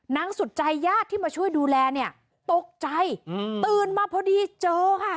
สุดใจญาติที่มาช่วยดูแลเนี่ยตกใจตื่นมาพอดีเจอค่ะ